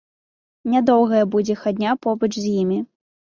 Нядоўгая будзе хадня побач з імі.